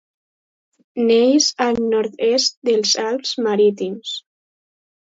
Neix al nord-est dels Alps Marítims.